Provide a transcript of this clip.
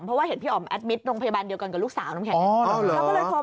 เพราะว่าเห็นพี่อ๋อมแอดมิตรโรงพยาบาลเดียวกันกับลูกสาวน้ำแข็ง